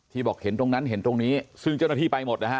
บอกเห็นตรงนั้นเห็นตรงนี้ซึ่งเจ้าหน้าที่ไปหมดนะฮะ